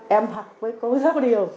em học với cô giáo điều